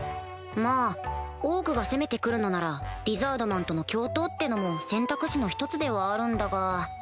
まぁオークが攻めて来るのならリザードマンとの共闘ってのも選択肢の１つではあるんだが